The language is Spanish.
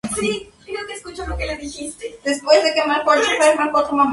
El cráter muestra poca apariencia de desgaste.